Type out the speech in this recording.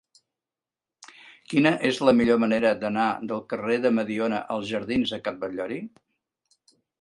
Quina és la millor manera d'anar del carrer de Mediona als jardins de Can Batllori?